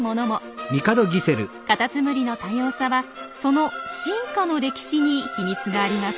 カタツムリの多様さはその進化の歴史に秘密があります。